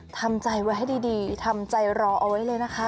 ทำใจไว้ให้ดีทำใจรอเอาไว้เลยนะคะ